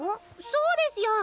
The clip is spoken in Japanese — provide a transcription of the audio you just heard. そうですよ！